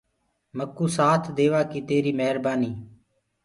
مڪو سآٿ ديوآ ڪي تيري مهربآني